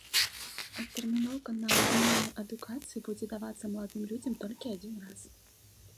Адтэрміноўка на атрыманне адукацыі будзе давацца маладым людзям толькі адзін раз.